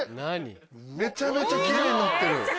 めちゃめちゃ奇麗になってる。